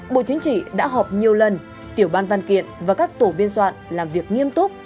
bộ chính trị đã họp nhiều lần tiểu ban văn kiện và các tổ biên soạn làm việc nghiêm túc